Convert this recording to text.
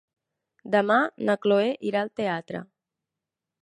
Demà na Cloè irà al teatre.